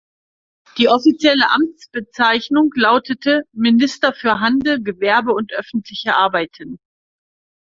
Die offizielle Amtsbezeichnung lautete: „Minister für Handel, Gewerbe und öffentliche Arbeiten“.